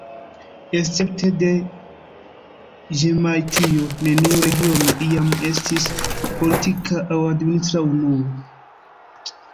Escepte de Ĵemajtio neniu regiono iam estis politika aŭ administra unuo.